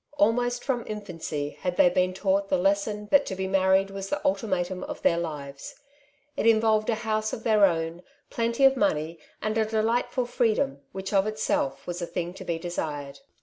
Almost from infancy had they been taught the lesson that to be married was the ultimatum of their % A Prize in the Lottery. 91 lives. It involved a house of their own, plenty of money, and a delightftd freedom, which of itself was a thing to be desired.